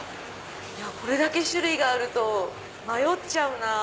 これだけ種類があると迷っちゃうなぁ。